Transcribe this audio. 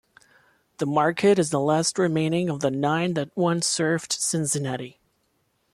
The market is the last remaining of the nine that once served Cincinnati.